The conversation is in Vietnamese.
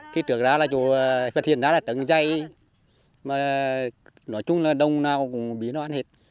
khi trượt ra là phát hiện ra là tấn dây nói chung là đông nào cũng bị nó ăn hết